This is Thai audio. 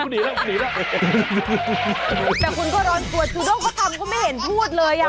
จูด้มก็ทำแล้วก็ไม่เห็นพูดเลย